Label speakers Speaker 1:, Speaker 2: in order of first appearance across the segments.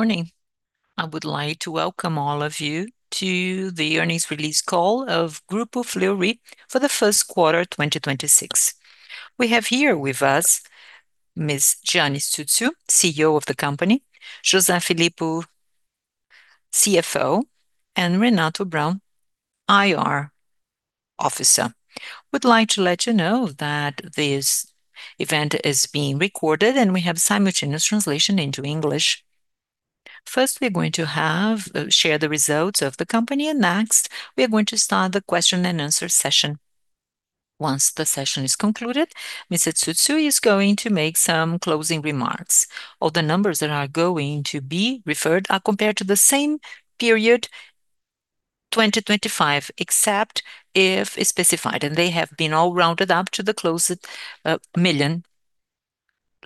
Speaker 1: Morning. I would like to welcome all of you to the earnings release call of Grupo Fleury for the first quarter, 2026. We have here with us Ms. Jeane Tsutsui, CEO of the company, José Filippo, CFO, and Renato Braun, IR Officer. Would like to let you know that this event is being recorded, and we have simultaneous translation into English. First, we're going to share the results of the company, and next, we are going to start the question and answer session. Once the session is concluded, Mr. Tsutsui is going to make some closing remarks. All the numbers that are going to be referred are compared to the same period 2025, except if specified, and they have been all rounded up to the closest million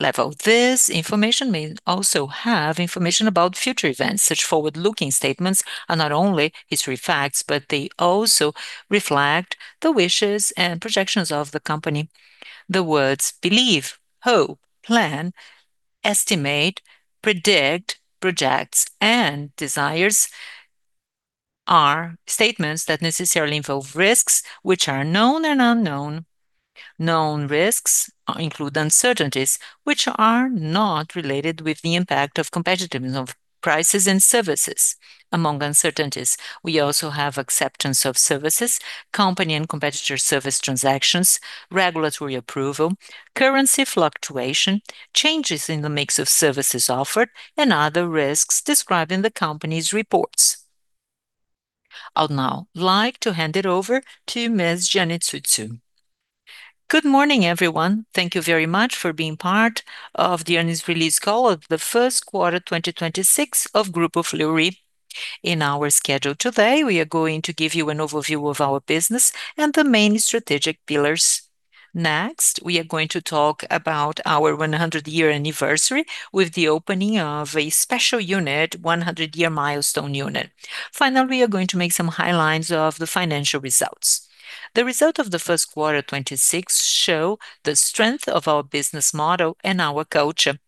Speaker 1: level. This information may also have information about future events. Such forward-looking statements are not only history facts, but they also reflect the wishes and projections of the company. The words believe, hope, plan, estimate, predict, projects, and desires are statements that necessarily involve risks which are known and unknown. Known risks include uncertainties which are not related with the impact of competitiveness of prices and services. Among uncertainties, we also have acceptance of services, company and competitor service transactions, regulatory approval, currency fluctuation, changes in the mix of services offered, and other risks described in the company's reports. I would now like to hand it over to Ms. Jeane Tsutsui.
Speaker 2: Good morning, everyone. Thank you very much for being part of the earnings release call of the first quarter, 2026 of Grupo Fleury. In our schedule today, we are going to give you an overview of our business and the main strategic pillars. Next, we are going to talk about our 100-year anniversary with the opening of a special unit, 100-year milestone unit. We are going to make some highlights of the financial results. The result of the first quarter 2026 show the strength of our business model and our culture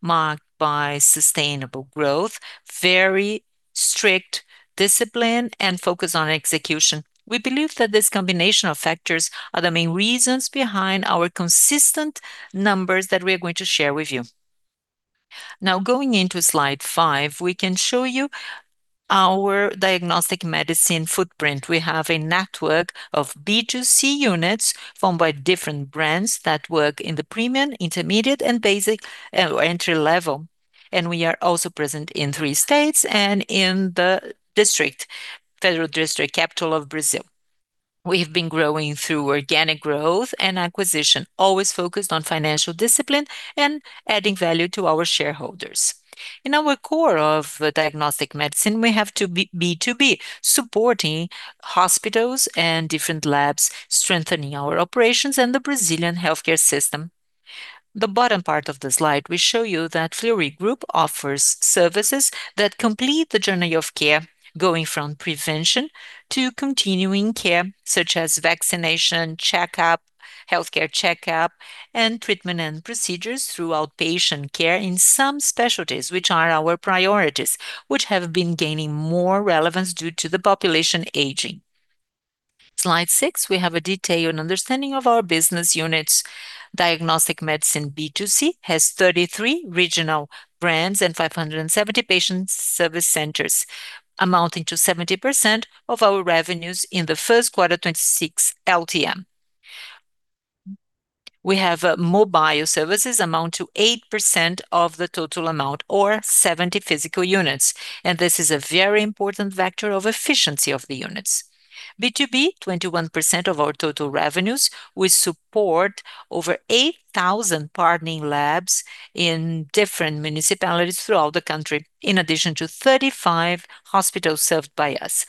Speaker 2: marked by sustainable growth, very strict discipline, and focus on execution. We believe that this combination of factors are the main reasons behind our consistent numbers that we are going to share with you. Going into slide five, we can show you our diagnostic medicine footprint. We have a network of B2C units formed by different brands that work in the premium, intermediate, and basic, entry level. We are also present in three states and in the Federal District capital of Brazil. We've been growing through organic growth and acquisition, always focused on financial discipline and adding value to our shareholders. In our core of diagnostic medicine, we have to be B2B, supporting hospitals and different labs, strengthening our operations and the Brazilian healthcare system. The bottom part of the slide, we show you that Fleury Group offers services that complete the journey of care, going from prevention to continuing care, such as vaccination, checkup, healthcare checkup, and treatment and procedures through outpatient care in some specialties which are our priorities, which have been gaining more relevance due to the population aging. Slide six, we have a detailed understanding of our business units. Diagnostic medicine B2C has 33 regional brands and 570 patient service centers, amounting to 70% of our revenues in the first quarter, 2026 LTM. We have mobile services amount to 8% of the total amount or 70 physical units, and this is a very important factor of efficiency of the units. B2B, 21% of our total revenues. We support over 8,000 partnering labs in different municipalities throughout the country, in addition to 35 hospitals served by us.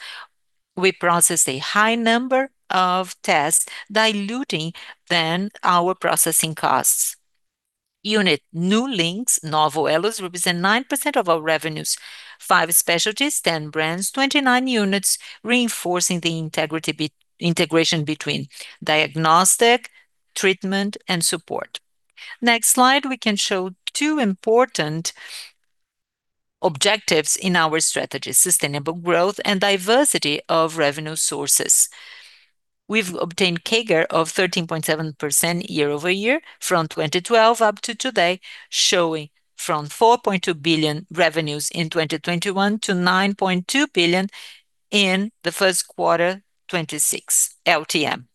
Speaker 2: We process a high number of tests, diluting then our processing costs. Novos Elos represent 9% of our revenues. five specialties, 10 brands, 29 units, reinforcing the integration between diagnostic, treatment, and support. Next slide, we can show two important objectives in our strategy: sustainable growth and diversity of revenue sources. We've obtained CAGR of 13.7% year-over-year from 2012 up to today, showing from 4.2 billion revenues in 2021 to 9.2 billion in the first quarter 2026 LTM.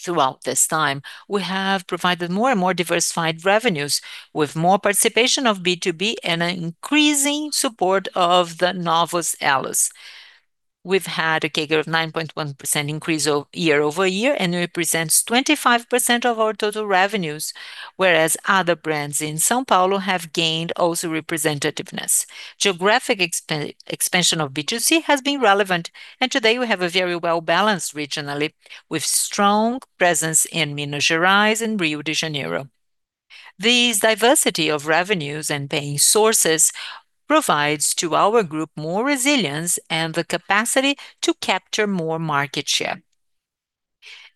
Speaker 2: Throughout this time, we have provided more and more diversified revenues with more participation of B2B and an increasing support of the Novos Elos. We've had a CAGR of 9.1% year-over-year and represents 25% of our total revenues, whereas other brands in São Paulo have gained also representativeness. Geographic expansion of B2C has been relevant, and today we have a very well balanced regionally with strong presence in Minas Gerais and Rio de Janeiro. This diversity of revenues and paying sources provides to our group more resilience and the capacity to capture more market share.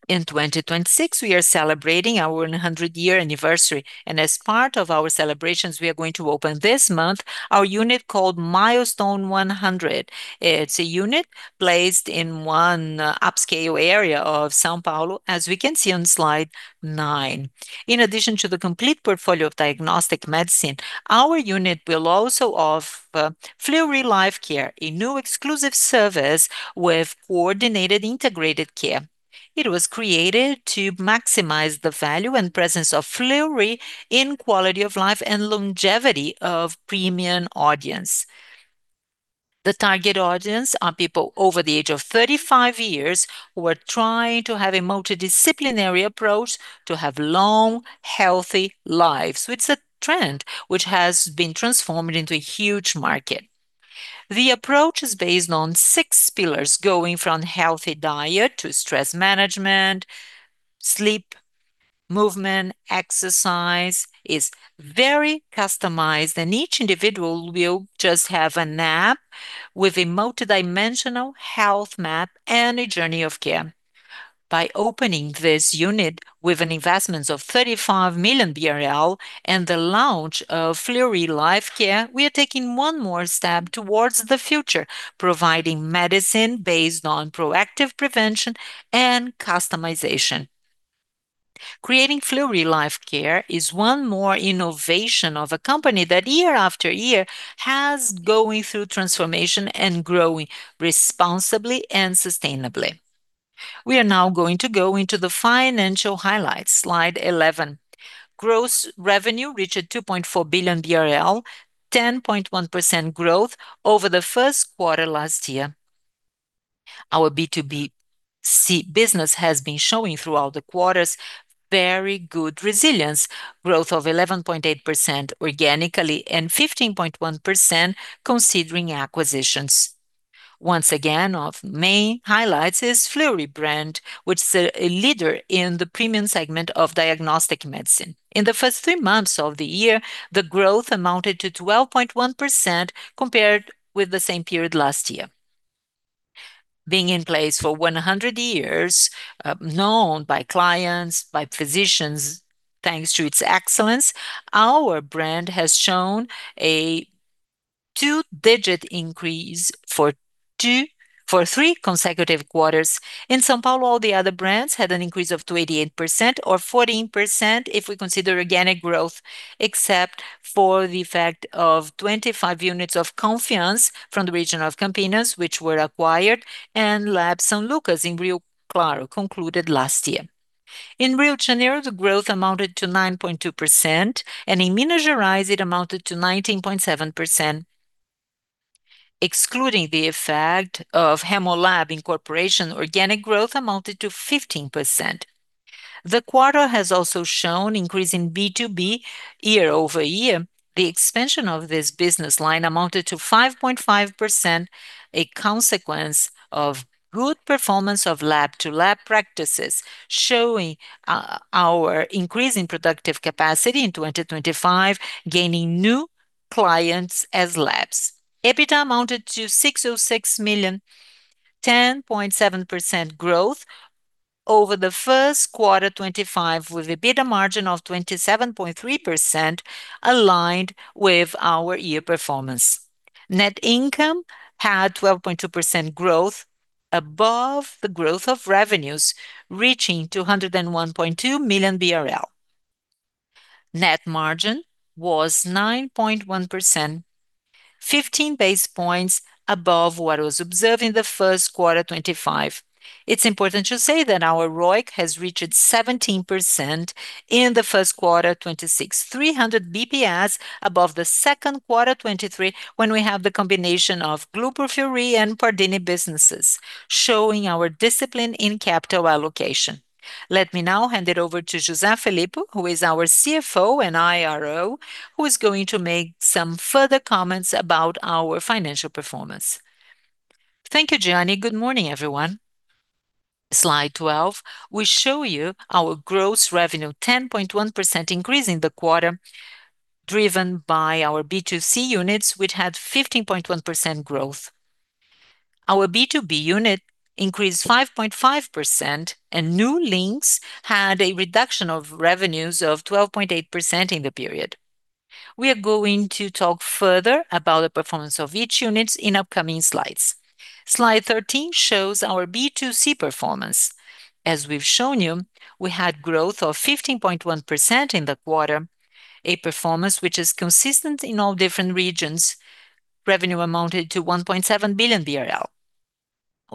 Speaker 2: In 2026, we are celebrating our 100-year anniversary. As part of our celebrations, we are going to open this month our unit called Milestone 100. It's a unit placed in one upscale area of São Paulo, as we can see on slide nine. In addition to the complete portfolio of diagnostic medicine, our unit will also offer Fleury Life Care, a new exclusive service with coordinated integrated care. It was created to maximize the value and presence of Fleury in quality of life and longevity of premium audience. The target audience are people over the age of 35 years who are trying to have a multidisciplinary approach to have long, healthy lives. It's a trend which has been transformed into a huge market. The approach is based on six pillars, going from healthy diet to stress management, sleep, movement, exercise. Is very customized, and each individual will just have an app with a multidimensional health map and a journey of care. By opening this unit with an investment of 35 million BRL and the launch of Fleury Life Care, we are taking one more step towards the future, providing medicine based on proactive prevention and customization. Creating Fleury Life Care is one more innovation of a company that year after year has going through transformation and growing responsibly and sustainably. We are now going to go into the financial highlights. Slide 11. Gross revenue reached 2.4 billion BRL, 10.1% growth over the first quarter last year. Our B2C business has been showing throughout the quarters very good resilience, growth of 11.8% organically, and 15.1% considering acquisitions. Once again, of main highlights is Fleury brand, which is a leader in the premium segment of diagnostic medicine. In the first three months of the year, the growth amounted to 12.1% compared with the same period last year. Being in place for 100 years, known by clients, by physicians, thanks to its excellence, our brand has shown a two-digit increase for three consecutive quarters. In São Paulo, all the other brands had an increase of 2%-8% or 14% if we consider organic growth, except for the effect of 25 units of Confiance from the region of Campinas which were acquired, and Lab São Lucas in Rio Claro concluded last year. In Rio de Janeiro, the growth amounted to 9.2%, and in Minas Gerais, it amounted to 19.7%. Excluding the effect of Hemolab incorporation, organic growth amounted to 15%. The quarter has also shown increase in B2B year-over-year. The expansion of this business line amounted to 5.5%, a consequence of good performance of lab-to-lab practices, showing our increase in productive capacity in 2025, gaining new clients as labs. EBITDA amounted to 606 million, 10.7% growth over the first quarter 2025, with EBITDA margin of 27.3% aligned with our year performance. Net income had 12.2% growth above the growth of revenues, reaching 201.2 million BRL. Net margin was 9.1%, 15 basis points above what was observed in the first quarter 2025. It is important to say that our ROIC has reached 17% in the first quarter 2026, 300 basis points above the second quarter 2023, when we have the combination of Grupo Fleury and Pardini businesses, showing our discipline in capital allocation. Let me now hand it over to José Filippo, who is our CFO and IRO, who is going to make some further comments about our financial performance.
Speaker 3: Thank you, Jeane. Good morning, everyone. Slide 12 will show you our gross revenue, 10.1% increase in the quarter, driven by our B2C units which had 15.1% growth. Our B2B unit increased 5.5%. Novos Elos had a reduction of revenues of 12.8% in the period. We are going to talk further about the performance of each unit in upcoming slides. Slide 13 shows our B2C performance. As we've shown you, we had growth of 15.1% in the quarter, a performance which is consistent in all different regions. Revenue amounted to 1.7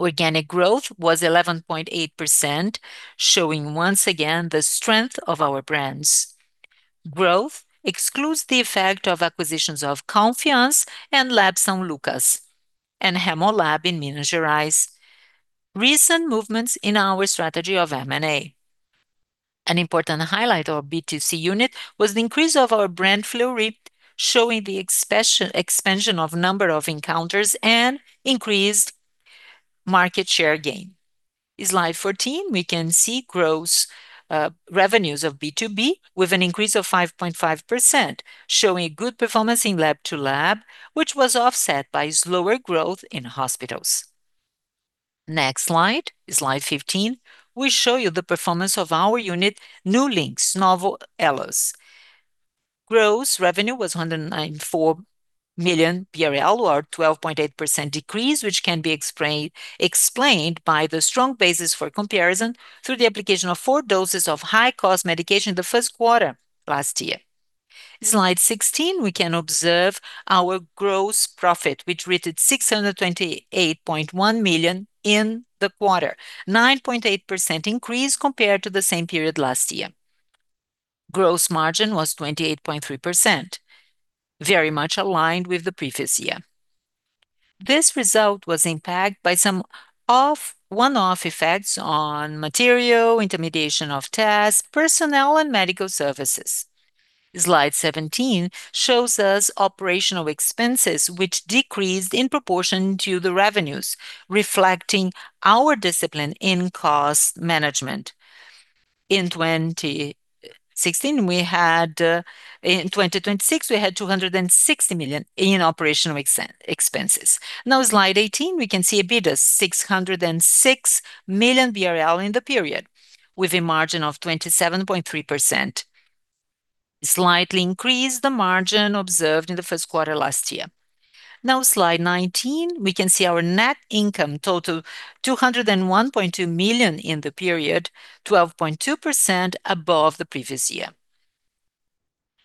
Speaker 3: billion BRL. Organic growth was 11.8%, showing once again the strength of our brands. Growth excludes the effect of acquisitions of Confiance and Lab São Lucas and Hemolab in Minas Gerais. Recent movements in our strategy of M&A. An important highlight of B2C unit was the increase of our brand Fleury, showing the expansion of number of encounters and increased market share gain. In slide 14, we can see gross revenues of B2B with an increase of 5.5%, showing good performance in lab-to-lab, which was offset by slower growth in hospitals. Next slide is slide 15. We show you the performance of our unit, Novos Elos. Gross revenue was 194 million BRL, or a 12.8% decrease, which can be explained by the strong basis for comparison through the application of four doses of high-cost medication in the first quarter last year. Slide 16, we can observe our gross profit, which reached 628.1 million in the quarter. 9.8% increase compared to the same period last year. Gross margin was 28.3%, very much aligned with the previous year. This result was impacted by some one-off effects on material, intermediation of tasks, personnel, and medical services. Slide 17 shows us operational expenses, which decreased in proportion to the revenues, reflecting our discipline in cost management. In 2026, we had 260 million in operational expenses. Now, Slide 18, we can see EBITDA, 606 million BRL in the period, with a margin of 27.3%. Slightly increased the margin observed in the first quarter last year. Now, Slide 19, we can see our net income, total 201.2 million in the period, 12.2% above the previous year.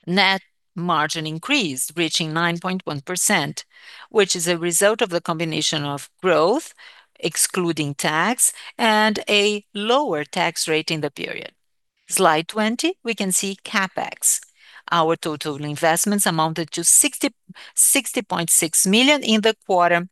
Speaker 3: Net margin increased, reaching 9.1%, which is a result of the combination of growth, excluding tax, and a lower tax rate in the period. Slide 20, we can see CapEx. Our total investments amounted to 60.6 million in the quarter,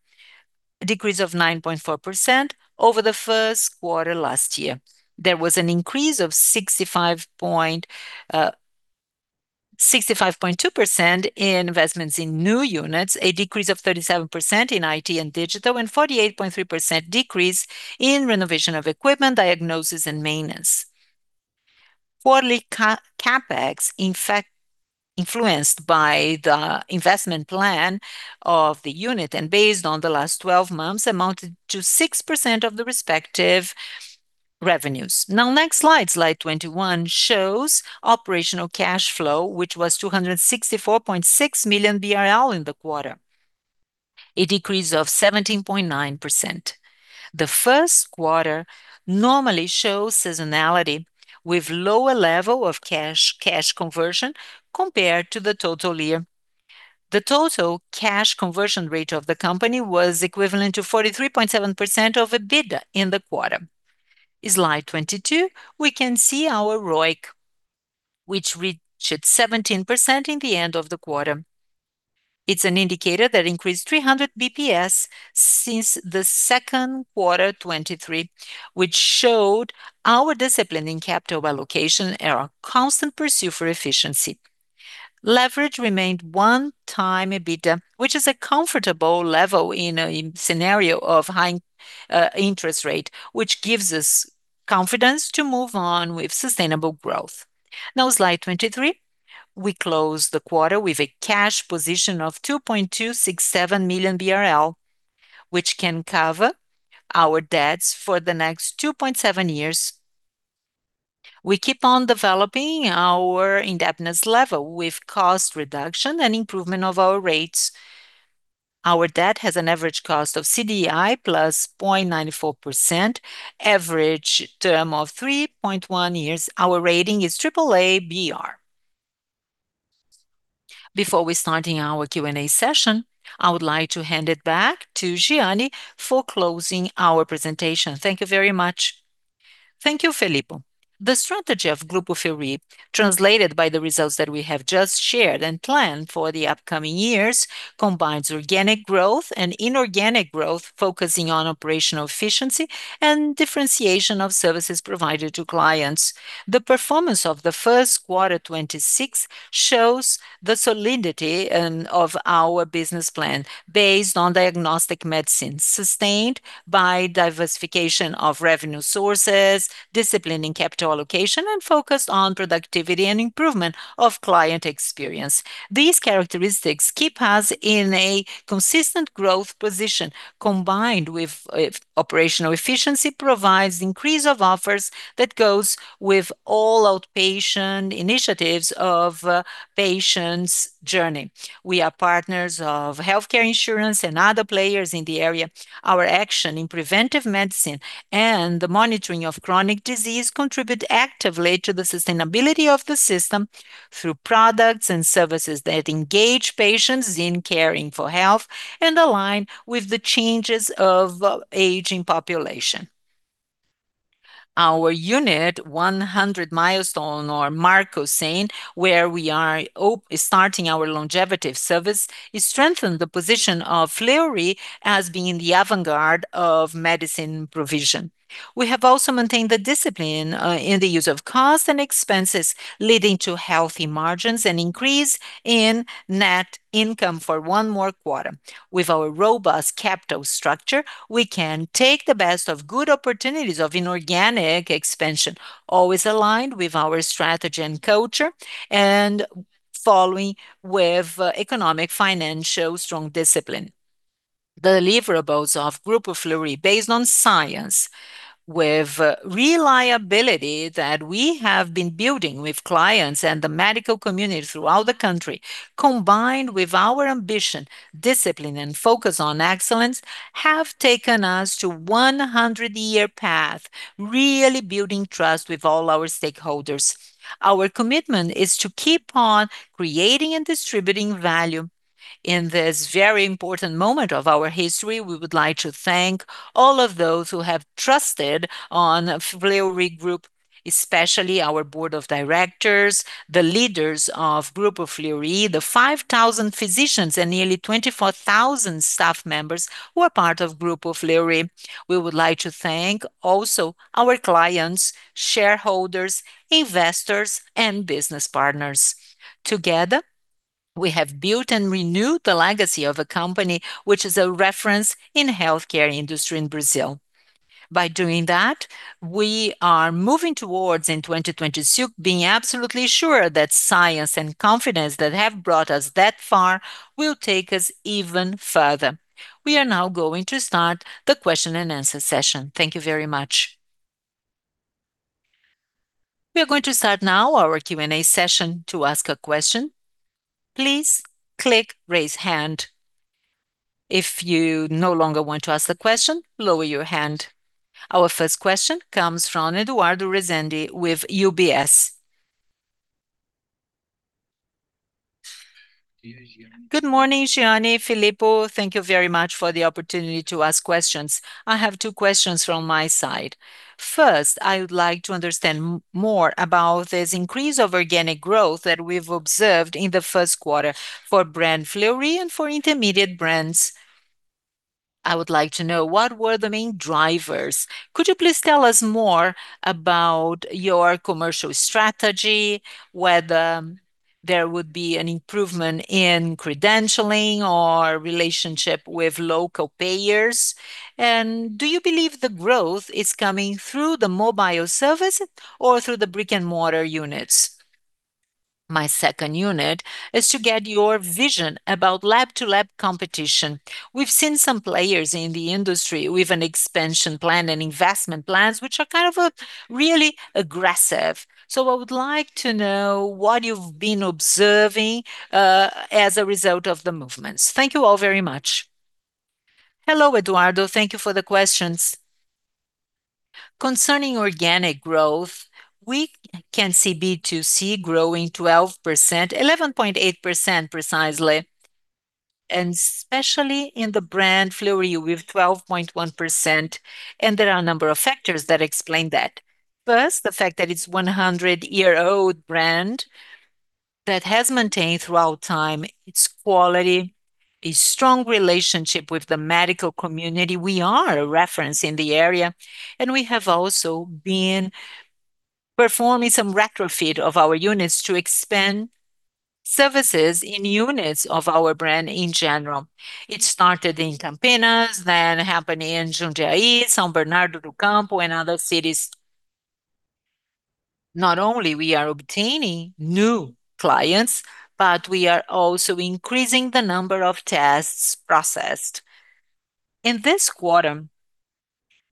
Speaker 3: a decrease of 9.4% over the first quarter last year. There was an increase of 65.2% in investments in new units, a decrease of 37% in IT and digital, and 48.3% decrease in renovation of equipment, diagnosis, and maintenance. Quarterly CapEx, in fact, influenced by the investment plan of the unit, and based on the last 12 months, amounted to 6% of the respective revenues. Next slide 21, shows operational cash flow, which was 264.6 million BRL in the quarter. A decrease of 17.9%. The first quarter normally shows seasonality with lower level of cash conversion compared to the total year. The total cash conversion rate of the company was equivalent to 43.7% of EBITDA in the quarter. Slide 22, we can see our ROIC, which reached 17% in the end of the quarter. It's an indicator that increased 300 basis points since the second quarter, 2023, which showed our discipline in capital allocation and our constant pursuit for efficiency. Leverage remained 1x EBITDA, which is a comfortable level in a scenario of high interest rate, which gives us confidence to move on with sustainable growth. Slide 23. We closed the quarter with a cash position of 2.267 million BRL, which can cover our debts for the next 2.7 years. We keep on developing our indebtedness level with cost reduction and improvement of our rates. Our debt has an average cost of CDI plus 0.94%, average term of 3.1 years. Our rating is AAA BR. Before we starting our Q&A session, I would like to hand it back to Jeane Tsutsui for closing our presentation. Thank you very much.
Speaker 2: Thank you, Filippo. The strategy of Grupo Fleury, translated by the results that we have just shared and planned for the upcoming years, combines organic growth and inorganic growth, focusing on operational efficiency and differentiation of services provided to clients. The performance of the first quarter 2026 shows the solidity of our business plan based on diagnostic medicine, sustained by diversification of revenue sources, discipline in capital allocation, and focused on productivity and improvement of client experience. These characteristics keep us in a consistent growth position. Combined with operational efficiency, provides increase of offers that goes with all outpatient initiatives of a patient's journey. We are partners of healthcare insurance and other players in the area. Our action in preventive medicine and the monitoring of chronic disease contribute actively to the sustainability of the system through products and services that engage patients in caring for health and align with the changes of aging population. Our unit 100 milestone, or Marco Cem, where we are starting our longevity service, it strengthen the position of Fleury as being the avant-garde of medicine provision. We have also maintained the discipline in the use of cost and expenses, leading to healthy margins and increase in net income for one more quarter. With our robust capital structure, we can take the best of good opportunities of inorganic expansion, always aligned with our strategy and culture and Following with economic, financial strong discipline. The deliverables of Grupo Fleury based on science with reliability that we have been building with clients and the medical community throughout the country, combined with our ambition, discipline, and focus on excellence, have taken us to 100-year path, really building trust with all our stakeholders. Our commitment is to keep on creating and distributing value. In this very important moment of our history, we would like to thank all of those who have trusted on Fleury Group, especially our board of directors, the leaders of Grupo Fleury, the 5,000 physicians, and nearly 24,000 staff members who are part of Grupo Fleury. We would like to thank also our clients, shareholders, investors, and business partners. Together, we have built and renewed the legacy of a company which is a reference in healthcare industry in Brazil. By doing that, we are moving towards, in 2026, being absolutely sure that science and confidence that have brought us that far will take us even further. We are now going to start the question and answer session. Thank you very much.
Speaker 1: We are going to start now our Q&A session. To ask a question, please click raise hand. If you no longer want to ask the question, lower your hand. Our first question comes from Eduardo Resende with UBS.
Speaker 4: Good morning, Jeane, Filippo. Thank you very much for the opportunity to ask questions. I have two questions from my side. First, I would like to understand more about this increase of organic growth that we've observed in the first quarter for brand Fleury and for intermediate brands. I would like to know what were the main drivers. Could you please tell us more about your commercial strategy, whether there would be an improvement in credentialing or relationship with local payers? Do you believe the growth is coming through the mobile service or through the brick-and-mortar units? My second unit is to get your vision about lab-to-lab competition. We've seen some players in the industry with an expansion plan and investment plans which are kind of, really aggressive. I would like to know what you've been observing, as a result of the movements. Thank you all very much.
Speaker 2: Hello, Eduardo. Thank you for the questions. Concerning organic growth, we can see B2C growing 12%, 11.8% precisely, and especially in the brand Fleury with 12.1%, and there are a number of factors that explain that. First, the fact that it's 100-year-old brand that has maintained throughout time its quality, a strong relationship with the medical community. We are a reference in the area. We have also been performing some retrofit of our units to expand services in units of our brand in general. It started in Campinas, happened in Jundiaí, São Bernardo do Campo, and other cities. Not only we are obtaining new clients, we are also increasing the number of tests processed. In this quarter,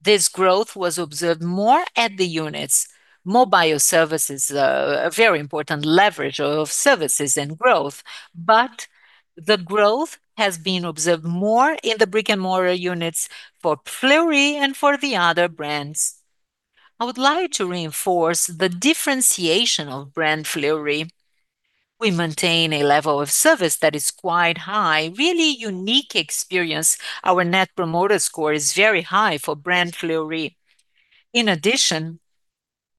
Speaker 2: this growth was observed more at the units. Mobile service is a very important leverage of services and growth, the growth has been observed more in the brick-and-mortar units for Fleury and for the other brands. I would like to reinforce the differentiation of brand Fleury. We maintain a level of service that is quite high, really unique experience. Our Net Promoter Score is very high for brand Fleury. In addition,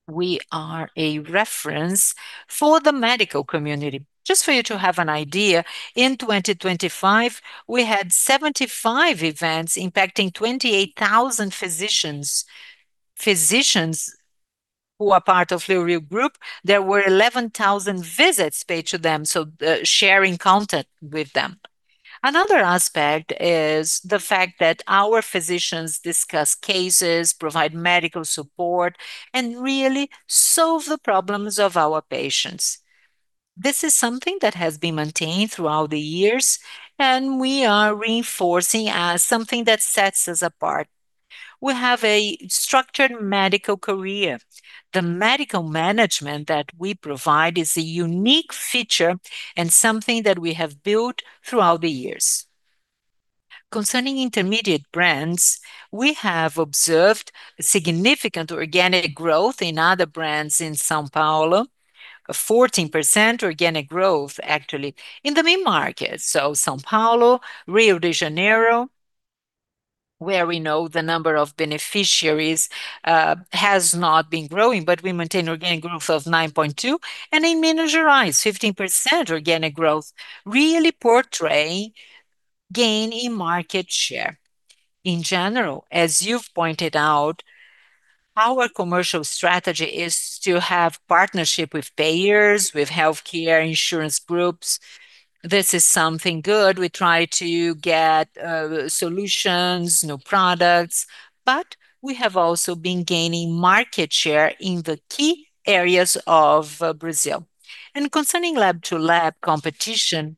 Speaker 2: we are a reference for the medical community. Just for you to have an idea, in 2025, we had 75 events impacting 28,000 physicians. Physicians who are part of Fleury Group, there were 11,000 visits paid to them, so sharing content with them. Another aspect is the fact that our physicians discuss cases, provide medical support, and really solve the problems of our patients. This is something that has been maintained throughout the years, and we are reinforcing as something that sets us apart. We have a structured medical career. The medical management that we provide is a unique feature and something that we have built throughout the years. Concerning intermediate brands, we have observed significant organic growth in other brands in São Paulo. 14% organic growth actually in the main market. São Paulo, Rio de Janeiro, where we know the number of beneficiaries has not been growing, but we maintain organic growth of 9.2%. In Minas Gerais, 15% organic growth really portray gain in market share. In general, as you've pointed out, our commercial strategy is to have partnership with payers, with healthcare insurance groups. This is something good. We try to get solutions, new products, but we have also been gaining market share in the key areas of Brazil. Concerning lab-to-lab competition.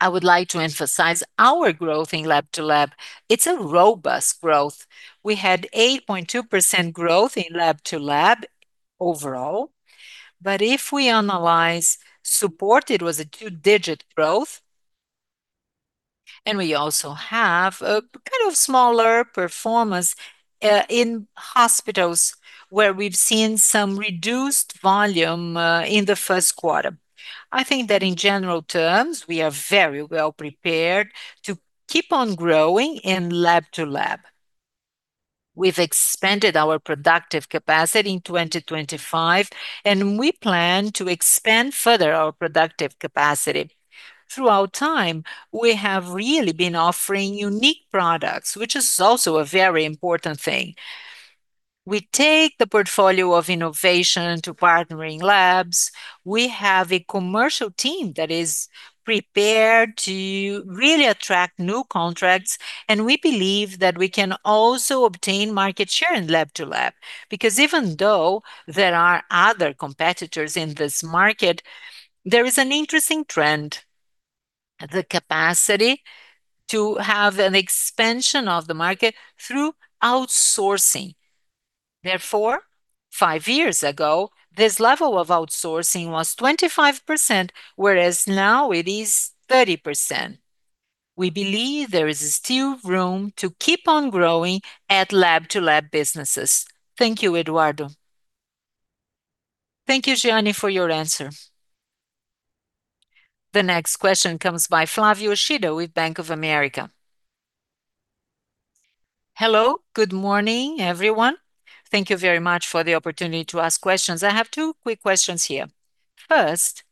Speaker 2: I would like to emphasize our growth in lab-to-lab, it's a robust growth. We had 8.2% growth in lab-to-lab overall. If we analyze support, it was a two-digit growth, and we also have a kind of smaller performance in hospitals where we've seen some reduced volume in the first quarter. I think that in general terms, we are very well-prepared to keep on growing in lab-to-lab. We've expanded our productive capacity in 2025, and we plan to expand further our productive capacity. Throughout time, we have really been offering unique products, which is also a very important thing. We take the portfolio of innovation to partnering labs. We have a commercial team that is prepared to really attract new contracts, and we believe that we can also obtain market share in lab-to-lab. Even though there are other competitors in this market, there is an interesting trend, the capacity to have an expansion of the market through outsourcing. Therefore, five years ago, this level of outsourcing was 25%, whereas now it is 30%. We believe there is still room to keep on growing at lab-to-lab businesses. Thank you, Eduardo.
Speaker 4: Thank you, Jeane, for your answer.
Speaker 1: The next question comes by Flavio Yoshida with Bank of America.
Speaker 5: Hello. Good morning, everyone. Thank you very much for the opportunity to ask questions. I have two quick questions here. First,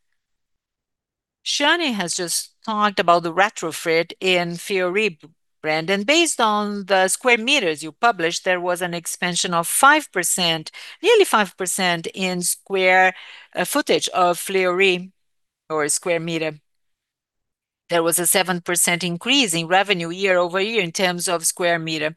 Speaker 5: Jeane has just talked about the retrofit in Fleury brand. Based on the square meters you published, there was an expansion of 5%, nearly 5% in square footage of Fleury or square meter. There was a 7% increase in revenue year-over-year in terms of square meter.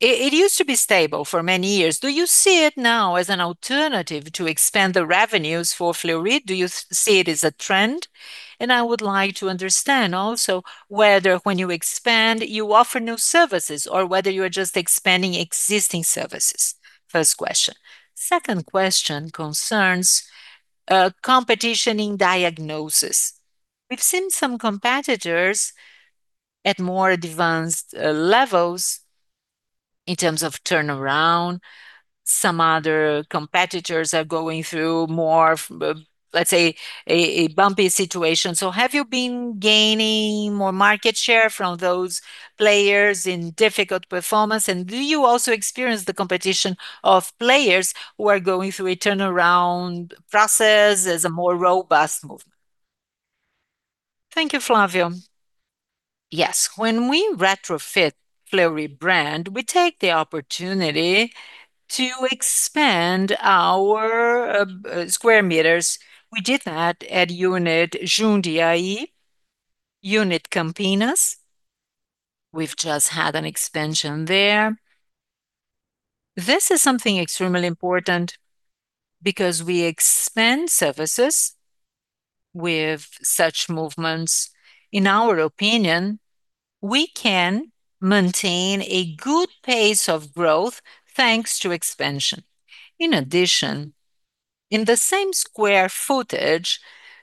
Speaker 5: It used to be stable for many years. Do you see it now as an alternative to expand the revenues for Fleury? Do you see it as a trend? I would like to understand also whether when you expand, you offer new services or whether you are just expanding existing services. First question. Second question concerns competition in diagnosis. We've seen some competitors at more advanced levels in terms of turnaround. Some other competitors are going through more, let's say a bumpy situation. Have you been gaining more market share from those players in difficult performance? Do you also experience the competition of players who are going through a turnaround process as a more robust movement?
Speaker 2: Thank you, Flavio. Yes, when we retrofit Fleury brand, we take the opportunity to expand our square meters. We did that at unit Jundiai, unit Campinas. We've just had an expansion there. This is something extremely important because we expand services with such movements. In our opinion, we can maintain a good pace of growth thanks to expansion. In addition, in the same square footage,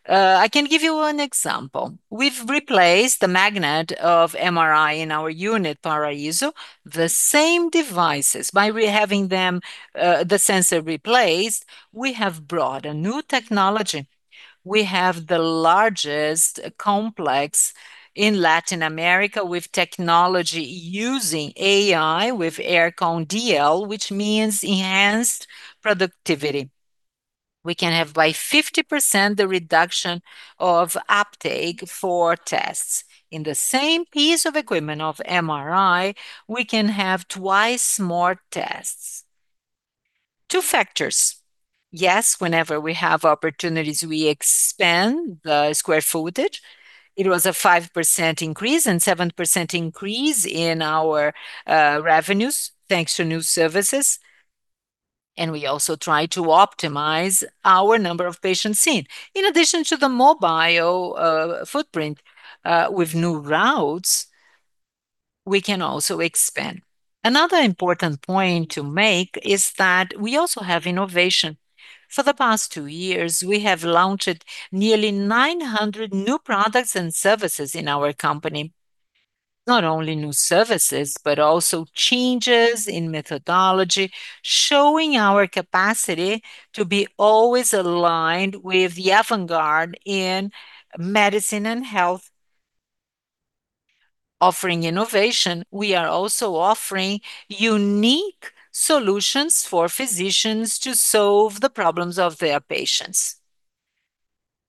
Speaker 2: I can give you one example. We've replaced the magnet of MRI in our unit Paraiso. The same devices by re-having them, the sensor replaced, we have brought a new technology. We have the largest complex in Latin America with technology using AI with AIR Recon DL, which means enhanced productivity. We can have by 50% the reduction of uptake for tests. In the same piece of equipment of MRI, we can have 2x more tests. Two factors. Yes, whenever we have opportunities, we expand the square footage. It was a 5% increase and 7% increase in our revenues thanks to new services, and we also try to optimize our number of patients seen. In addition to the mobile footprint, with new routes, we can also expand. Another important point to make is that we also have innovation. For the past two years, we have launched nearly 900 new products and services in our company. Not only new services, but also changes in methodology, showing our capacity to be always aligned with the avant-garde in medicine and health. Offering innovation, we are also offering unique solutions for physicians to solve the problems of their patients.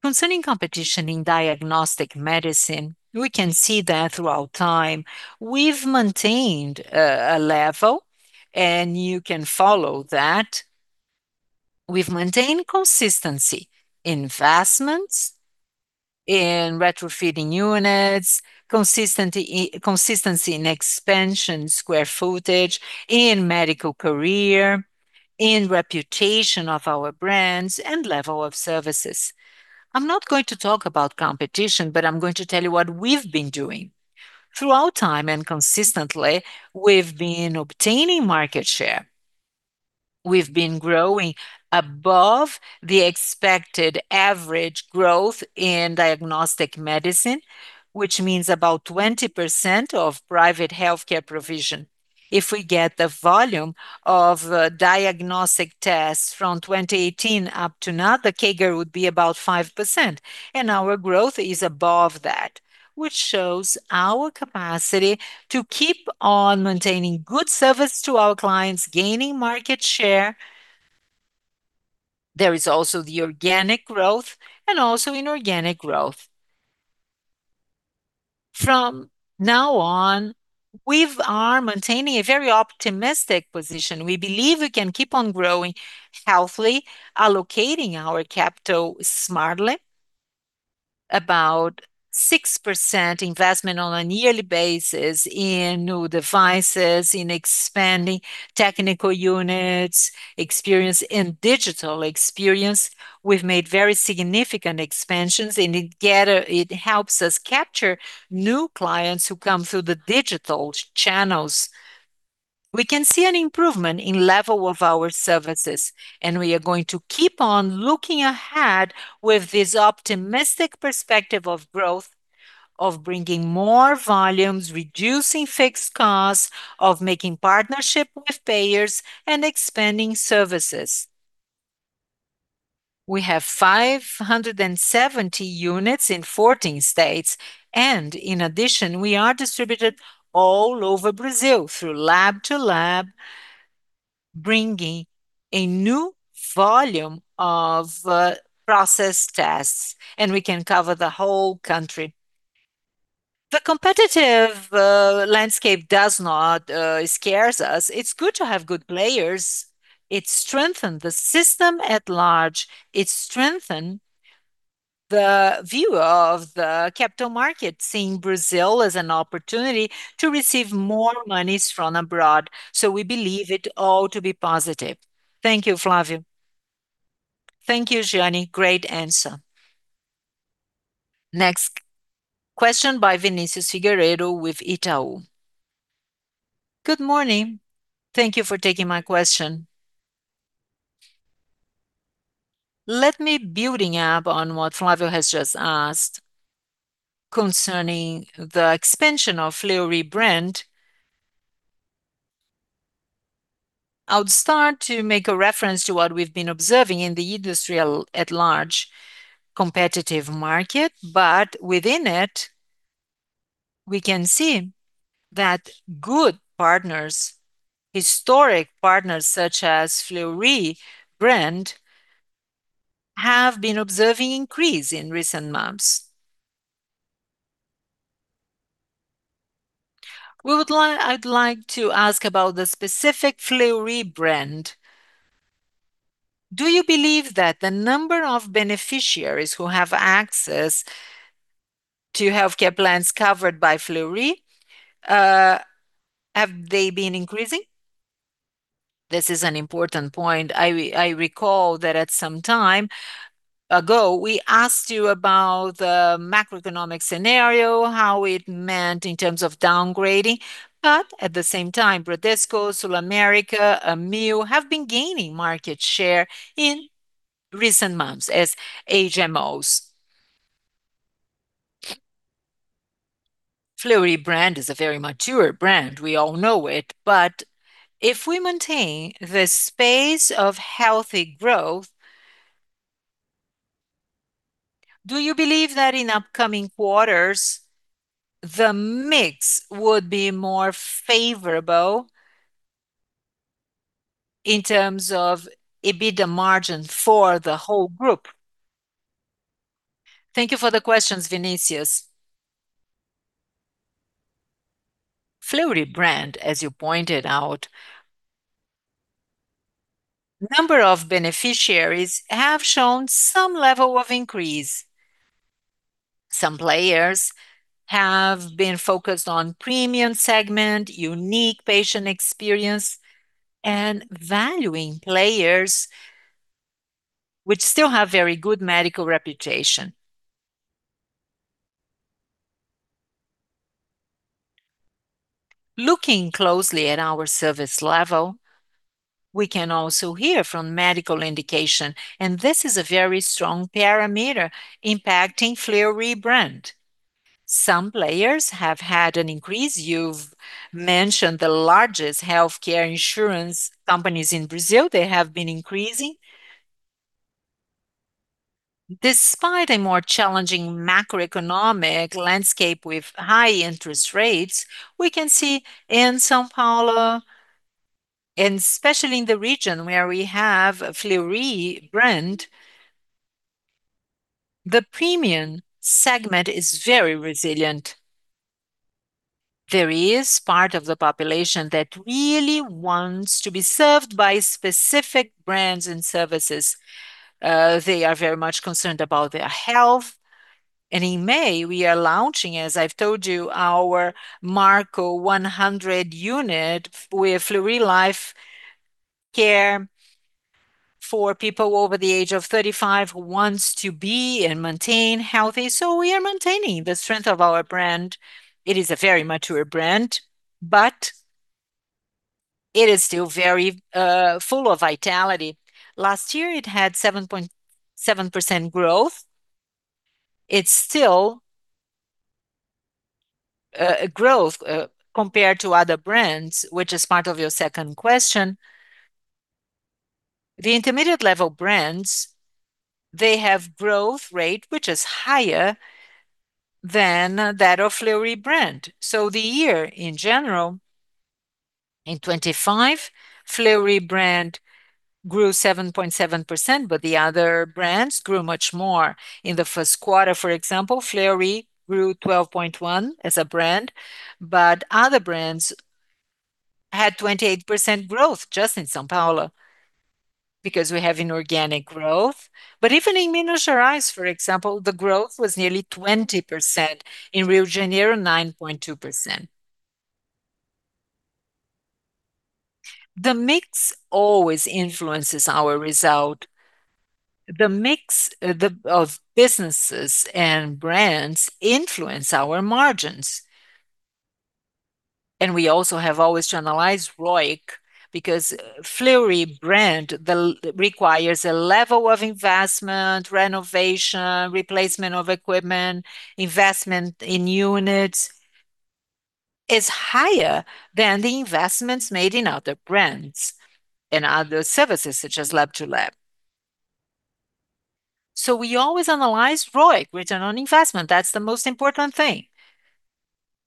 Speaker 2: Concerning competition in diagnostic medicine, we can see that throughout time we've maintained a level, and you can follow that. We've maintained consistency, investments in retrofitting units, consistency in expansion square footage, in medical career, in reputation of our brands, and level of services. I'm not going to talk about competition, but I'm going to tell you what we've been doing. Throughout time and consistently, we've been obtaining market share. We've been growing above the expected average growth in diagnostic medicine, which means about 20% of private healthcare provision. If we get the volume of diagnostic tests from 2018 up to now, the CAGR would be about 5%, and our growth is above that, which shows our capacity to keep on maintaining good service to our clients, gaining market share. There is also the organic growth, and also inorganic growth. From now on, we are maintaining a very optimistic position. We believe we can keep on growing healthily, allocating our capital smartly. About 6% investment on a yearly basis in new devices, in expanding technical units, experience, in digital experience. We've made very significant expansions, and it helps us capture new clients who come through the digital channels. We can see an improvement in level of our services, and we are going to keep on looking ahead with this optimistic perspective of growth, of bringing more volumes, reducing fixed costs, of making partnership with payers, and expanding services. We have 570 units in 14 states and, in addition, we are distributed all over Brazil through lab-to-lab, bringing a new volume of processed tests, and we can cover the whole country. The competitive landscape does not scares us. It's good to have good players. It strengthen the system at large. It strengthen the view of the capital market, seeing Brazil as an opportunity to receive more monies from abroad. We believe it all to be positive. Thank you, Flavio.
Speaker 5: Thank you, Jeane Tsutsui. Great answer.
Speaker 1: Next, question by Vinicius Figueiredo with Itaú. Good morning. Thank you for taking my question.
Speaker 6: Let me building up on what Flavio has just asked concerning the expansion of Fleury brand. I would start to make a reference to what we've been observing in the industry at large, competitive market. Within it, we can see that good partners, historic partners such as Fleury brand, have been observing increase in recent months. I'd like to ask about the specific Fleury brand. Do you believe that the number of beneficiaries who have access to healthcare plans covered by Fleury, have they been increasing? This is an important point. I recall that at some time ago we asked you about the macroeconomic scenario, how it meant in terms of downgrading. At the same time, Bradesco, SulAmérica, Amil have been gaining market share in recent months as HMOs. Fleury brand is a very mature brand. We all know it. If we maintain the space of healthy growth, do you believe that in upcoming quarters the mix would be more favorable in terms of EBITDA margin for the whole group?
Speaker 2: Thank you for the questions, Vinicius. Fleury brand, as you pointed out, number of beneficiaries have shown some level of increase. Some players have been focused on premium segment, unique patient experience, and valuing players which still have very good medical reputation. Looking closely at our service level, we can also hear from medical indication, and this is a very strong parameter impacting Fleury brand. Some players have had an increase. You've mentioned the largest healthcare insurance companies in Brazil. They have been increasing. Despite a more challenging macroeconomic landscape with high interest rates, we can see in São Paulo, and especially in the region where we have Fleury brand, the premium segment is very resilient. There is part of the population that really wants to be served by specific brands and services. They are very much concerned about their health. In May, we are launching, as I've told you, our Marco 100 unit with Fleury Life Care for people over the age of 35 who wants to be and maintain healthy. We are maintaining the strength of our brand. It is a very mature brand, it is still very full of vitality. Last year it had 7.7% growth. It's still a growth compared to other brands, which is part of your second question. The intermediate level brands, they have growth rate which is higher than that of Fleury brand. The year in general, in 2025, Fleury brand grew 7.7%, but the other brands grew much more. In the first quarter, for example, Fleury grew 12.1 as a brand, but other brands had 28% growth just in São Paulo because we're having organic growth. Even in Minas Gerais, for example, the growth was nearly 20%. In Rio de Janeiro, 9.2%. The mix always influences our result. The mix of businesses and brands influence our margins. We also have always to analyze ROIC, because Fleury brand requires a level of investment, renovation, replacement of equipment, investment in units, is higher than the investments made in other brands and other services such as Lab-to-Lab. We always analyze ROIC, return on investment. That's the most important thing.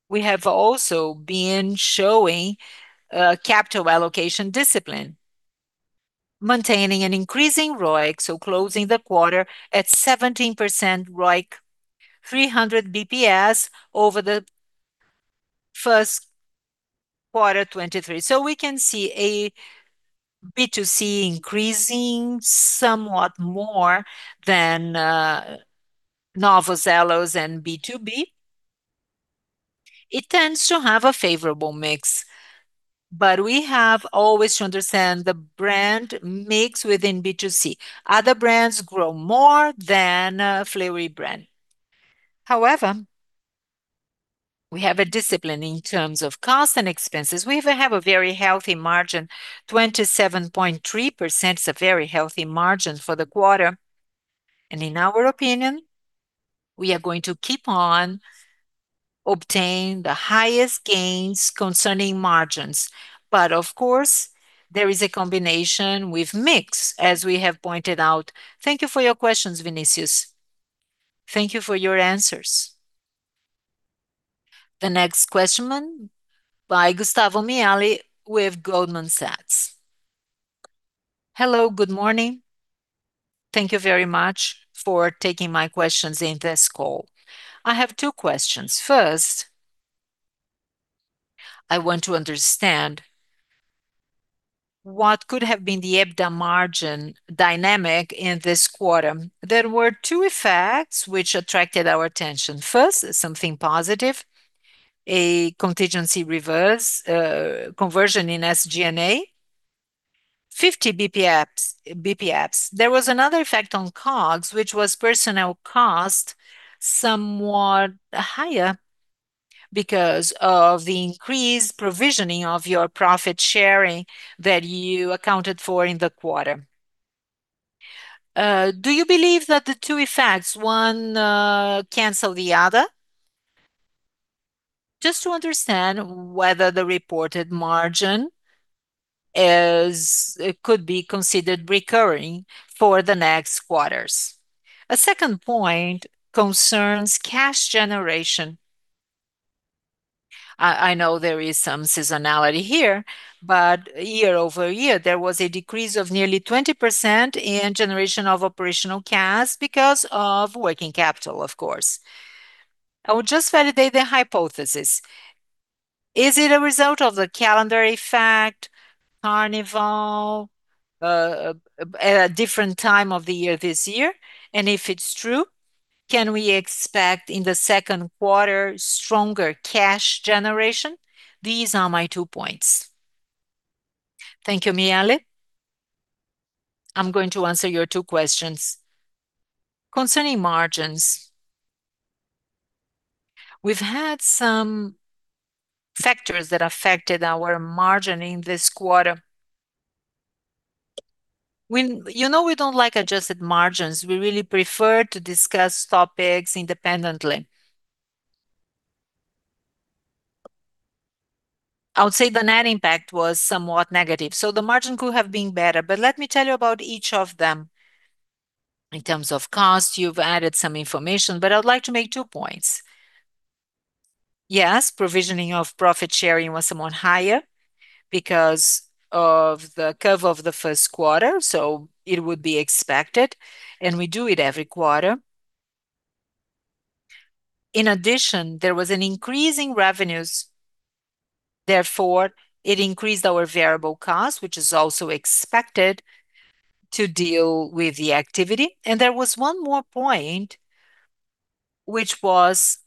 Speaker 2: We have also been showing capital allocation discipline, maintaining an increasing ROIC, closing the quarter at 17% ROIC, 300 BPS over the first quarter 2023. We can see a B2C increasing somewhat more than Novos Elos and B2B. It tends to have a favorable mix, we have always to understand the brand mix within B2C. Other brands grow more than Fleury brand. However, we have a discipline in terms of cost and expenses. We even have a very healthy margin. 27.3% is a very healthy margin for the quarter. In our opinion, we are going to keep on obtaining the highest gains concerning margins. Of course, there is a combination with mix, as we have pointed out. Thank you for your questions, Vinicius.
Speaker 6: Thank you for your answers.
Speaker 1: The next question by Gustavo Miele with Goldman Sachs.
Speaker 7: Hello, good morning. Thank you very much for taking my questions in this call. I have two questions. First, I want to understand what could have been the EBITDA margin dynamic in this quarter. There were two effects which attracted our attention. First, something positive, a contingency reverse, conversion in SG&A, 50 BPS. There was another effect on COGS, which was personnel cost, somewhat higher because of the increased provisioning of your profit sharing that you accounted for in the quarter. Do you believe that the two effects, one, cancel the other? Just to understand whether the reported margin it could be considered recurring for the next quarters. A second point concerns cash generation. I know there is some seasonality here, but year-over-year, there was a decrease of nearly 20% in generation of operational cash because of working capital, of course. I would just validate the hypothesis. Is it a result of the calendar effect, carnival, at a different time of the year this year? If it's true, can we expect in the second quarter stronger cash generation? These are my two points.
Speaker 3: Thank you, Miele. I'm going to answer your two questions. Concerning margins, we've had some factors that affected our margin in this quarter. You know we don't like adjusted margins. We really prefer to discuss topics independently. I would say the net impact was somewhat negative, the margin could have been better. Let me tell you about each of them. In terms of cost, you've added some information, but I would like to make two points. Yes, provisioning of profit sharing was somewhat higher because of the curve of the first quarter, it would be expected, and we do it every quarter. There was an increase in revenues. It increased our variable cost, which is also expected to deal with the activity. There was one more point, which was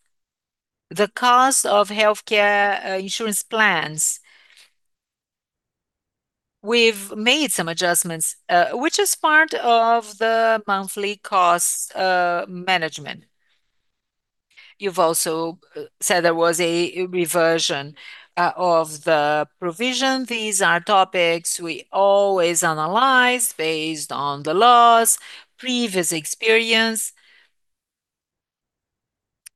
Speaker 3: the cost of healthcare insurance plans. We've made some adjustments, which is part of the monthly cost management. You've also said there was a reversion of the provision. These are topics we always analyze based on the laws, previous experience,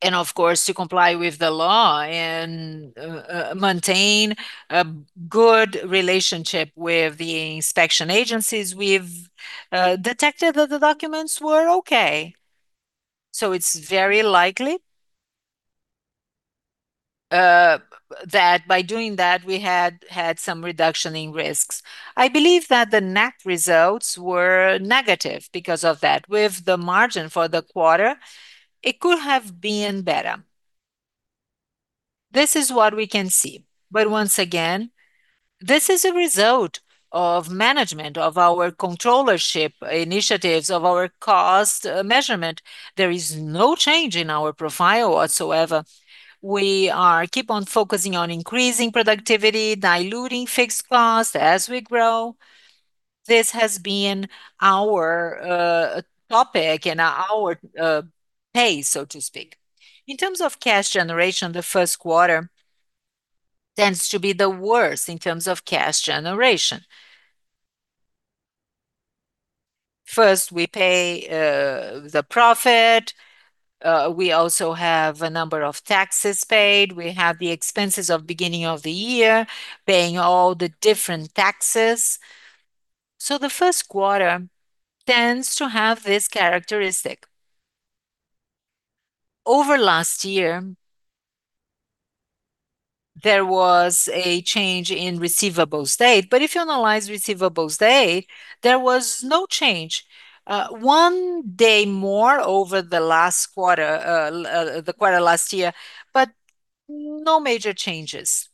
Speaker 3: and of course, to comply with the law and maintain a good relationship with the inspection agencies. We've detected that the documents were okay. It's very likely that by doing that we had had some reduction in risks. I believe that the net results were negative because of that. With the margin for the quarter, it could have been better. This is what we can see. Once again, this is a result of management, of our controllership initiatives, of our cost measurement. There is no change in our profile whatsoever. We are keep on focusing on increasing productivity, diluting fixed costs as we grow. This has been our topic and our pace, so to speak. In terms of cash generation, the first quarter tends to be the worst in terms of cash generation. First, we pay the profit. We also have a number of taxes paid. We have the expenses of beginning of the year, paying all the different taxes. The first quarter tends to have this characteristic. Over last year, there was a change in receivables date, but if you analyze receivables date, there was no change. one day more over the last quarter, the quarter last year, but no major changes.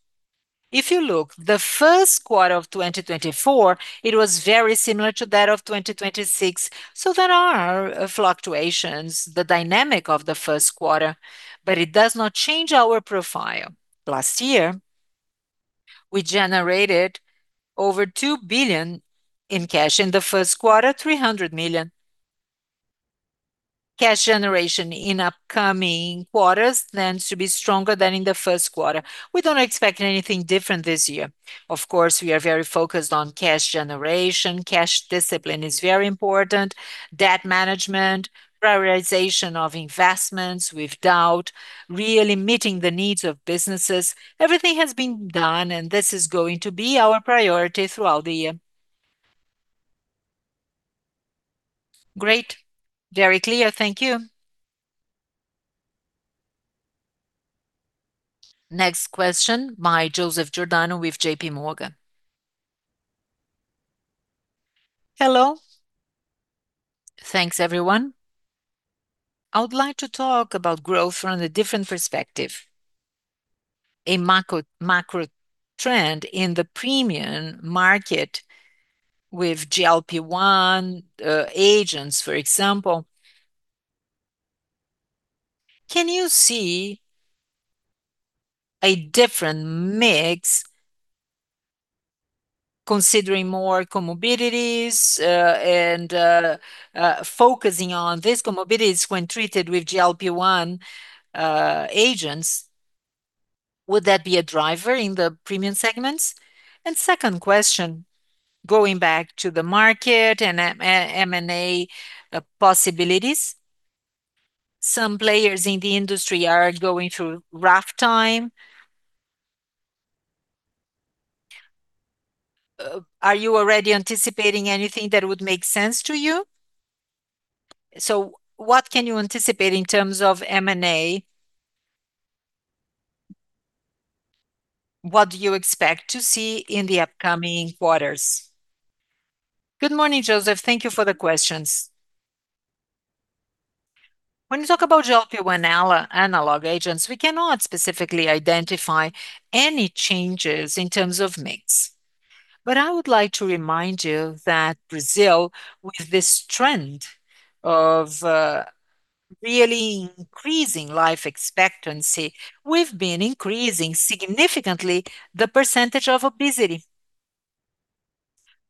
Speaker 3: If you look, the first quarter of 2024, it was very similar to that of 2026. There are fluctuations, the dynamic of the first quarter, but it does not change our profile. Last year, we generated over 2 billion in cash. In the first quarter, 300 million. Cash generation in upcoming quarters tends to be stronger than in the first quarter. We don't expect anything different this year. Of course, we are very focused on cash generation. Cash discipline is very important. Debt management, prioritization of investments, without really meeting the needs of businesses. Everything has been done. This is going to be our priority throughout the year.
Speaker 7: Great. Very clear. Thank you.
Speaker 1: Next question by Joseph Giordano with JPMorgan.
Speaker 8: Hello. Thanks, everyone. I would like to talk about growth from a different perspective, a macro trend in the premium market with GLP-1 agents, for example. Can you see a different mix considering more comorbidities and focusing on these comorbidities when treated with GLP-1 agents, would that be a driver in the premium segments? Second question, going back to the market and M&A possibilities. Some players in the industry are going through rough time. Are you already anticipating anything that would make sense to you? What can you anticipate in terms of M&A? What do you expect to see in the upcoming quarters?
Speaker 2: Good morning, Joseph. Thank you for the questions. When you talk about GLP-1 analog agents, we cannot specifically identify any changes in terms of mix. I would like to remind you that Brazil, with this trend of really increasing life expectancy, we've been increasing significantly the percentage of obesity.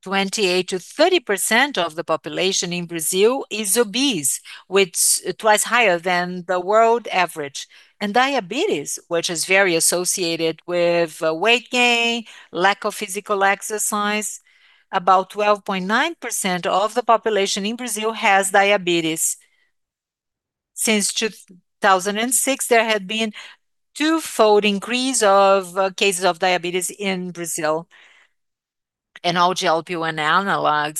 Speaker 2: 28%-30% of the population in Brazil is obese, which twice higher than the world average. Diabetes, which is very associated with weight gain, lack of physical exercise, about 12.9% of the population in Brazil has diabetes. Since 2006, there had been twofold increase of cases of diabetes in Brazil. All GLP-1 analogs,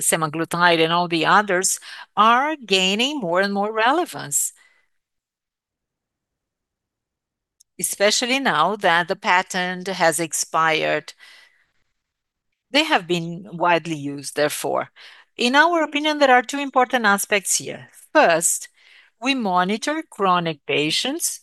Speaker 2: semaglutide and all the others, are gaining more and more relevance. Especially now that the patent has expired, they have been widely used therefore. In our opinion, there are two important aspects here. First, we monitor chronic patients,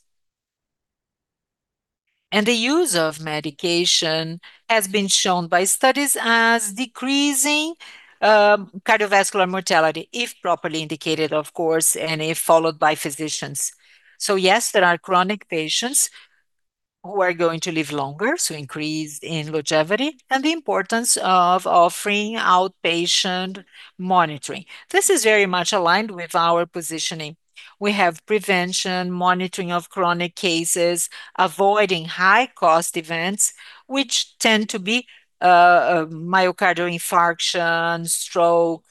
Speaker 2: and the use of medication has been shown by studies as decreasing cardiovascular mortality if properly indicated, of course, and if followed by physicians. Yes, there are chronic patients who are going to live longer, so increase in longevity, and the importance of offering outpatient monitoring. This is very much aligned with our positioning. We have prevention, monitoring of chronic cases, avoiding high cost events, which tend to be myocardial infarction, stroke.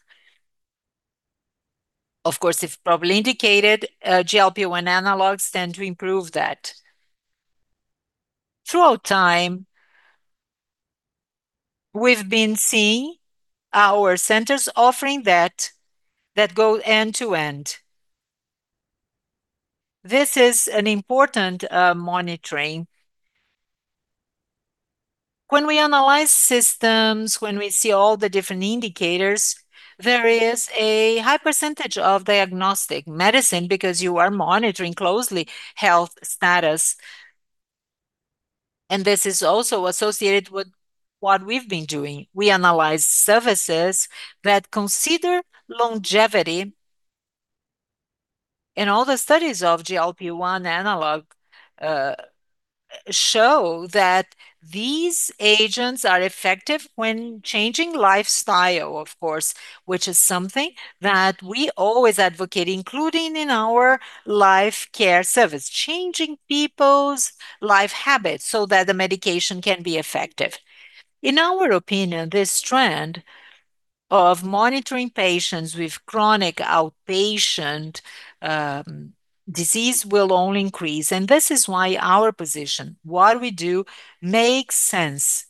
Speaker 2: Of course, if properly indicated, GLP-1 analogs tend to improve that. Throughout time, we've been seeing our centers offering that go end to end. This is an important monitoring. When we analyze systems, when we see all the different indicators, there is a high percentage of diagnostic medicine because you are monitoring closely health status, and this is also associated with what we've been doing. We analyze services that consider longevity. All the studies of GLP-1 analog show that these agents are effective when changing lifestyle, of course, which is something that we always advocate, including in our Life Care service, changing people's life habits so that the medication can be effective. In our opinion, this trend of monitoring patients with chronic outpatient disease will only increase, and this is why our position, what we do, makes sense,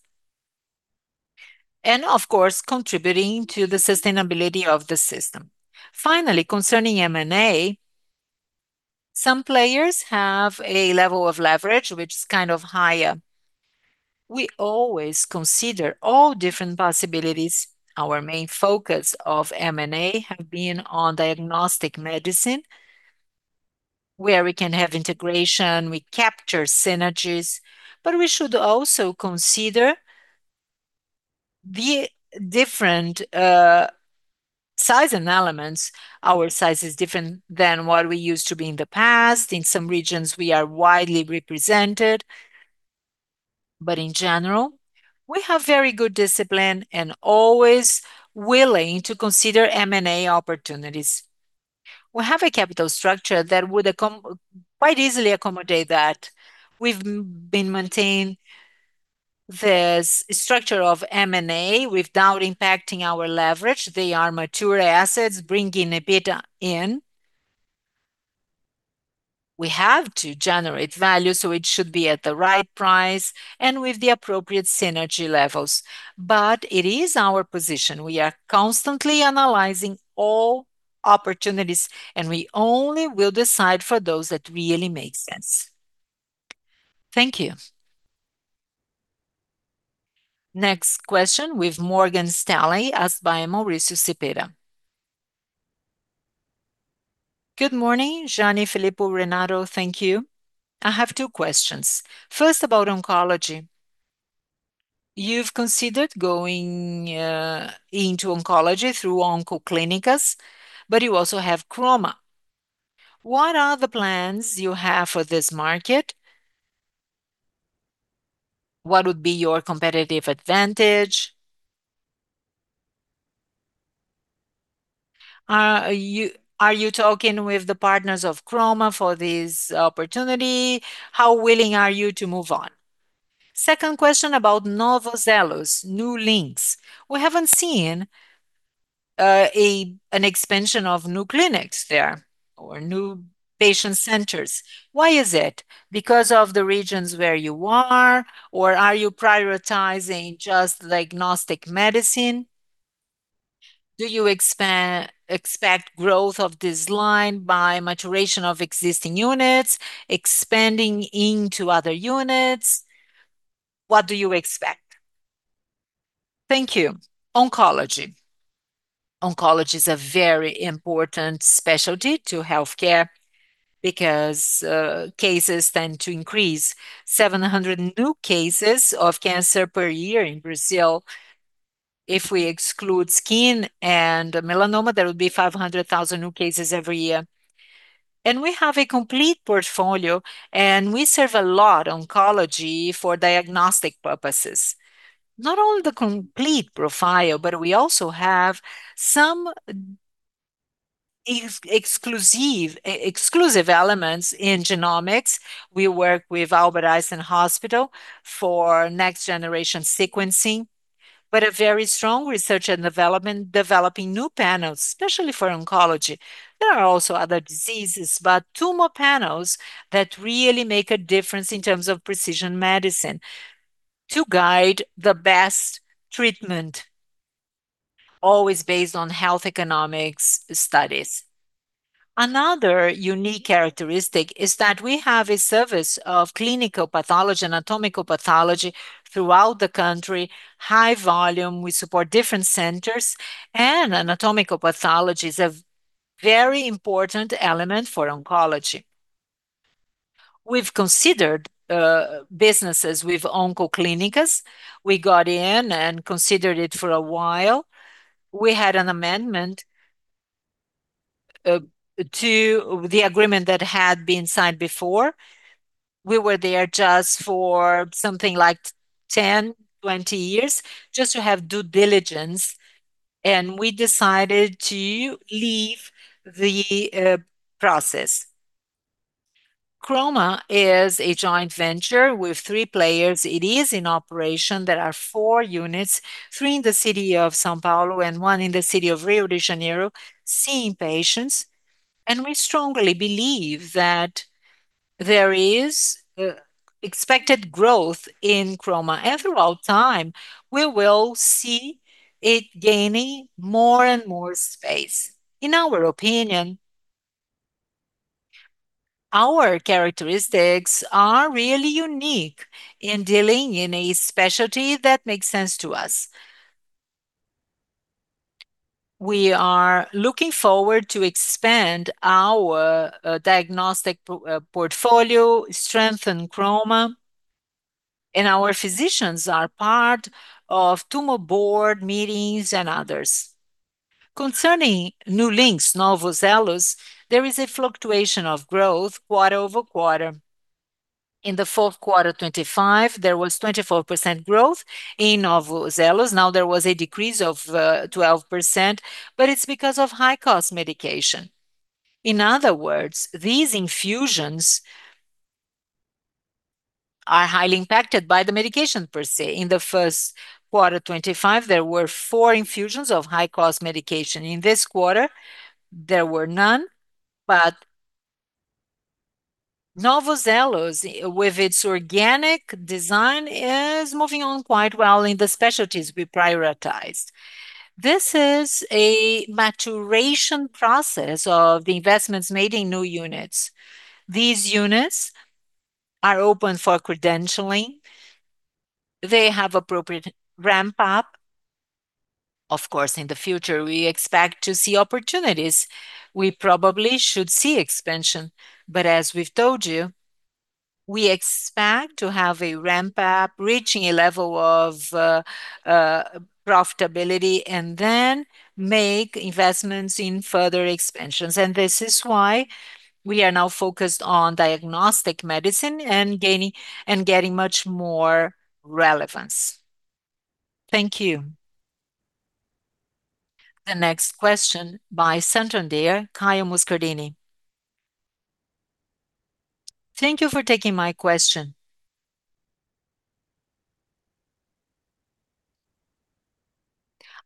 Speaker 2: and of course, contributing to the sustainability of the system. Finally, concerning M&A, some players have a level of leverage which is kind of higher. We always consider all different possibilities. Our main focus of M&A have been on diagnostic medicine, where we can have integration, we capture synergies, but we should also consider the different size and elements. Our size is different than what we used to be in the past. In some regions we are widely represented. In general, we have very good discipline and always willing to consider M&A opportunities. We have a capital structure that would quite easily accommodate that. We've been maintain this structure of M&A without impacting our leverage. They are mature assets bringing EBITDA in. We have to generate value, so it should be at the right price and with the appropriate synergy levels. It is our position. We are constantly analyzing all opportunities, and we only will decide for those that really make sense. Thank you.
Speaker 1: Next question with Morgan Stanley, asked by Maurício Cepeda.
Speaker 9: Good morning, Jeane, Filippo, Renato. Thank you. I have two questions. First, about oncology. You've considered going into oncology through Oncoclínicas, but you also have Croma. What are the plans you have for this market? What would be your competitive advantage? Are you talking with the partners of Croma for this opportunity? How willing are you to move on? Second question about Novos Elos. We haven't seen an expansion of new clinics there or new patient centers. Why is it? Because of the regions where you are, or are you prioritizing just diagnostic medicine? Do you expect growth of this line by maturation of existing units expanding into other units? What do you expect?
Speaker 2: Thank you. Oncology. Oncology is a very important specialty to healthcare because cases tend to increase. 700 new cases of cancer per year in Brazil. If we exclude skin and melanoma, there would be 500,000 new cases every year. We have a complete portfolio, and we serve a lot oncology for diagnostic purposes. Not only the complete profile, but we also have some exclusive elements in genomics. We work with Hospital Israelita Albert Einstein for next generation sequencing, but a very strong research and development, developing new panels, especially for oncology. There are also other diseases, but tumor panels that really make a difference in terms of precision medicine to guide the best treatment. Always based on health economics studies. Another unique characteristic is that we have a service of clinical pathology and anatomical pathology throughout the country, high volume. We support different centers. Anatomical pathology is a very important element for oncology. We've considered businesses with Oncoclínicas. We got in and considered it for a while. We had an amendment to the agreement that had been signed before. We were there just for something like 10, 20 years, just to have due diligence. We decided to leave the process. Croma is a joint venture with three players. It is in operation. There are four units, three in the city of São Paulo and one in the city of Rio de Janeiro, seeing patients. We strongly believe that there is expected growth in Croma. Throughout time, we will see it gaining more and more space. In our opinion, our characteristics are really unique in dealing in a specialty that makes sense to us. We are looking forward to expand our diagnostic portfolio, strengthen Croma, and our physicians are part of tumor board meetings and others. Concerning New Links, Novos Elos, there is a fluctuation of growth quarter-over-quarter. In the fourth quarter 2025, there was 24% growth in Novos Elos. There was a decrease of 12%. It's because of high-cost medication. In other words, these infusions are highly impacted by the medication per se. In the first quarter 2025, there were four infusions of high-cost medication. In this quarter, there were none. Novos Elos, with its organic design, is moving on quite well in the specialties we prioritized. This is a maturation process of the investments made in new units. These units are open for credentialing. They have appropriate ramp-up. Of course, in the future, we expect to see opportunities. We probably should see expansion. As we've told you, we expect to have a ramp-up, reaching a level of profitability, and then make investments in further expansions. This is why we are now focused on diagnostic medicine and getting much more relevance.
Speaker 9: Thank you.
Speaker 1: The next question by Santander, Caio Moscardini.
Speaker 10: Thank you for taking my question.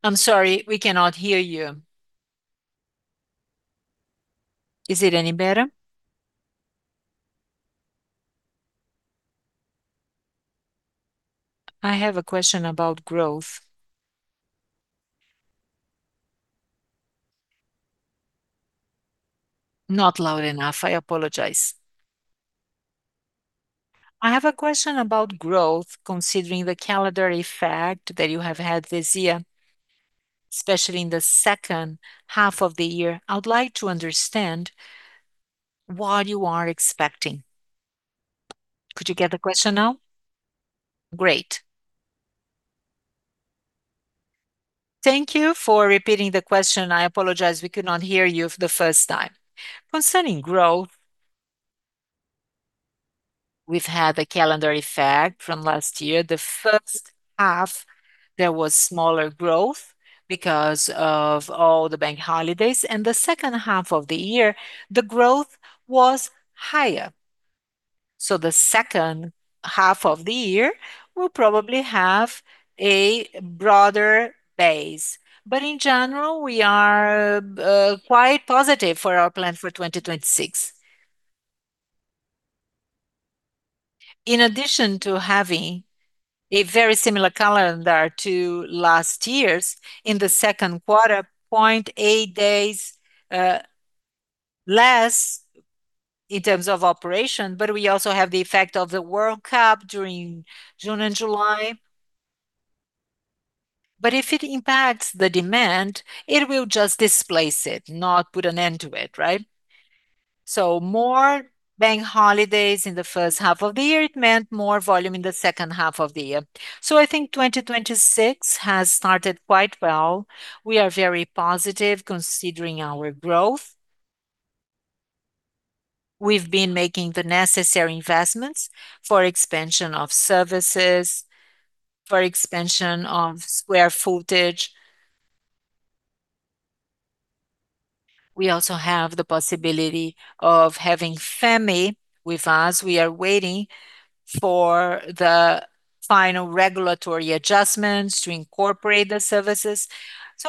Speaker 1: I'm sorry, we cannot hear you.
Speaker 10: Is it any better? I have a question about growth.
Speaker 1: Not loud enough. I apologize.
Speaker 10: I have a question about growth, considering the calendar effect that you have had this year, especially in the second half of the year. I would like to understand what you are expecting. Could you get the question now?
Speaker 2: Great. Thank you for repeating the question. I apologize we could not hear you the first time. Concerning growth, we've had a calendar effect from last year. The first half, there was smaller growth because of all the bank holidays. In the second half of the year, the growth was higher. The second half of the year, we'll probably have a broader base. In general, we are quite positive for our plan for 2026. In addition to having a very similar calendar to last year's, in the second quarter, 0.8 days less in terms of operation, but we also have the effect of the World Cup during June and July. If it impacts the demand, it will just displace it, not put an end to it, right? More bank holidays in the first half of the year, it meant more volume in the second half of the year. I think 2026 has started quite well. We are very positive considering our growth. We've been making the necessary investments for expansion of services, for expansion of square footage. We also have the possibility of having FEMI with us. We are waiting for the final regulatory adjustments to incorporate the services.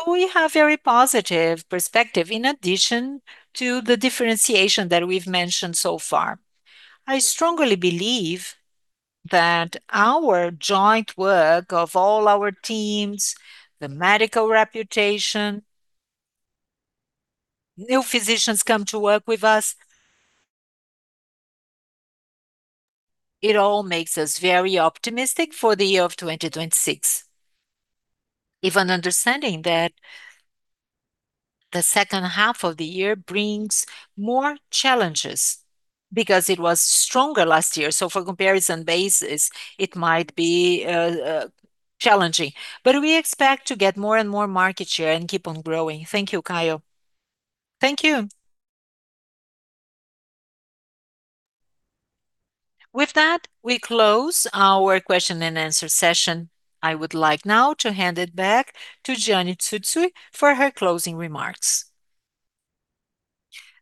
Speaker 2: We have very positive perspective in addition to the differentiation that we've mentioned so far. I strongly believe that our joint work of all our teams, the medical reputation, new physicians come to work with us, it all makes us very optimistic for the year of 2026. Even understanding that the second half of the year brings more challenges because it was stronger last year. For comparison basis, it might be challenging. We expect to get more and more market share and keep on growing. Thank you, Caio.
Speaker 10: Thank you.
Speaker 1: With that, we close our question and answer session. I would like now to hand it back to Jeane Tsutsui for her closing remarks.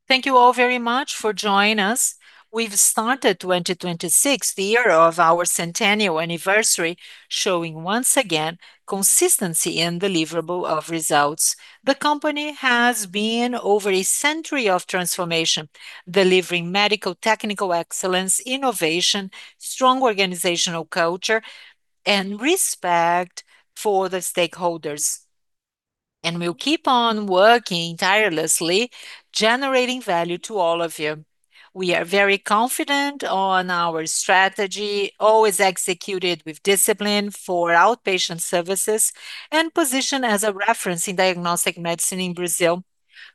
Speaker 2: Thank you all very much for join us. We've started 2026, the year of our centennial anniversary, showing once again consistency and deliverable of results. The company has been over a century of transformation, delivering medical technical excellence, innovation, strong organizational culture, and respect for the stakeholders, and we'll keep on working tirelessly, generating value to all of you. We are very confident on our strategy, always executed with discipline for outpatient services, and position as a reference in diagnostic medicine in Brazil.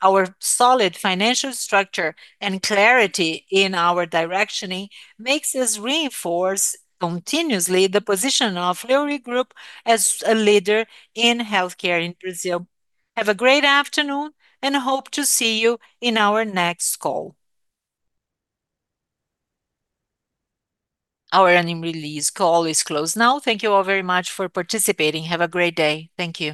Speaker 2: Our solid financial structure and clarity in our directioning makes us reinforce continuously the position of Fleury Group as a leader in healthcare in Brazil. Hope to see you in our next call. Our earning release call is closed now. Thank you all very much for participating. Have a great day. Thank you.